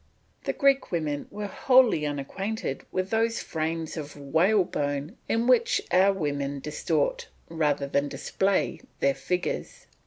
The Greek women were wholly unacquainted with those frames of whalebone in which our women distort rather than display their figures.